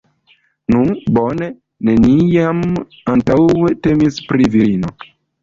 Nu, bone, neniam antaŭe temis pri virino.